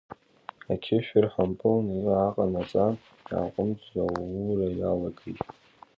Ақьышә ырҳампалны иааҟанаҵан, иааҟәымҵӡо ауура иалагеит.